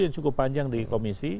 cukup panjang di komisi